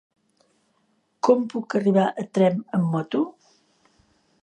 Com puc arribar a Tremp amb moto?